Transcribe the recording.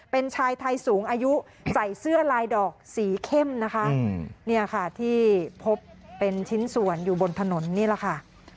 เป็นชายไทยสูงอายุใส่เสื้อลายดอกสีเข้มนะคะ